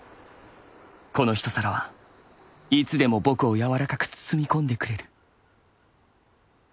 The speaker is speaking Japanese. この一皿はいつでも僕をやわらかく包み込んでくれる」。